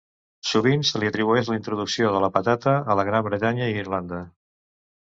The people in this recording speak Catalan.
Sovint se li atribueix la introducció de la patata a la Gran Bretanya i Irlanda.